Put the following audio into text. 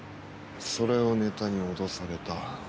それをネタに脅された。